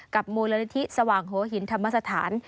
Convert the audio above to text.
มูลนิธิสว่างหัวหินธรรมสถาน